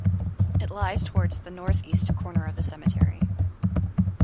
It lies towards the north-east corner of the cemetery.